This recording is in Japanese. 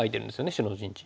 白の陣地。